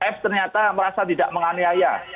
f ternyata merasa tidak menganiaya